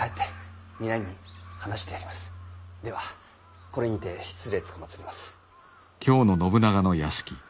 ではこれにて失礼つかまつります。